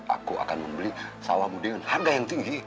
aku akan membeli sawahmu dengan harga yang tinggi